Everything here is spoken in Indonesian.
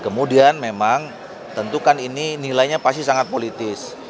kemudian memang tentu kan ini nilainya pasti sangat politis